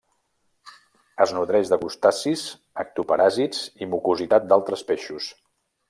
Es nodreix de crustacis ectoparàsits i mucositat d'altres peixos.